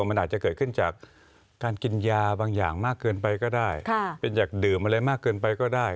มันอาจจะเกิดขึ้นจากการกินยาบางอย่างมากเกินไปก็ได้